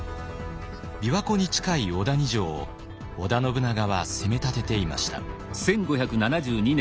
琵琶湖に近い小谷城を織田信長は攻めたてていました。